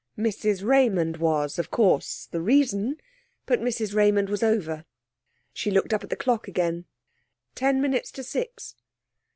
Mrs Raymond was, of course, the reason, but Mrs Raymond was over. She looked up at the clock again. Ten minutes to six.